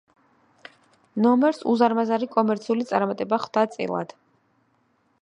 ნომერს უზარმაზარი კომერციული წარმატება ხვდა წილად.